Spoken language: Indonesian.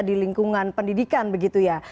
di lingkungan pendidikan begitu ya